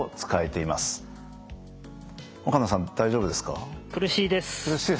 岡野さん大丈夫ですか？